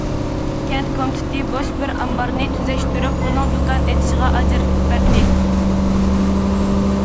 كەنت كومىتېتى بوش بىر ئامبارنى تۈزەشتۈرۈپ، ئۇنىڭ دۇكان ئېچىشىغا ئاجرىتىپ بەردى.